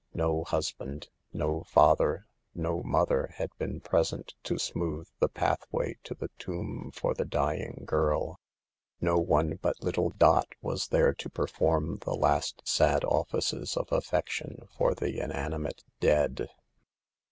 No husband, no father , no mother had been present to smooth the pathway to the tomb for the dying girl ; no one but little Dot was there to perform the last sad offices of affection for the inanimate dead.